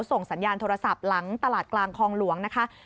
ส่งสัญญาณโทรศัพท์หลังตลาดกลางคลองหลวงนะคะ